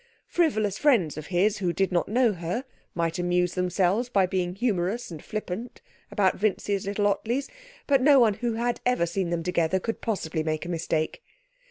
Frivolous friends of his who did not know her might amuse themselves by being humorous and flippant about Vincy's little Ottleys, but no one who had ever seen them together could possibly make a mistake.